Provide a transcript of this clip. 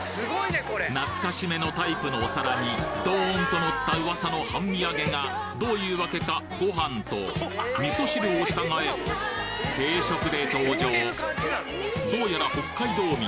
懐かしめのタイプのお皿にドーンとのった噂の半身揚げがどういう訳かご飯と味噌汁を従え定食で登場どうやら北海道民